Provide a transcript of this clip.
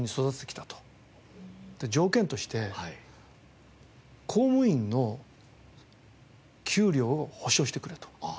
で条件として公務員の給料を保証してくれと。